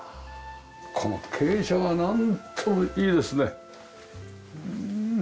この傾斜がなんともいいですね。